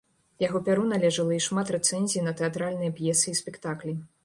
Яго пяру належала і шмат рэцэнзій на тэатральныя п'есы і спектаклі.